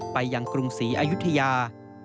ไปยังกรุงศรีอายุทยา